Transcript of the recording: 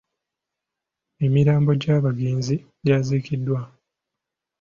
Emirambo gy'abagenzi gyaziikiddwa.